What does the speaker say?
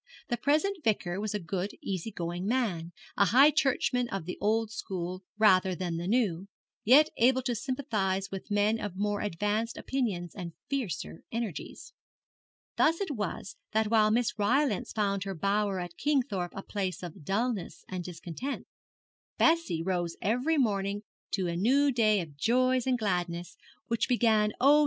The present Vicar was a good, easy going man, a High Churchman of the old school rather than the new, yet able to sympathize with men of more advanced opinions and fiercer energies. Thus it was that while Miss Rylance found her bower at Kingthorpe a place of dullness and discontent, Bessie rose every morning to a new day of joy and gladness, which began, oh!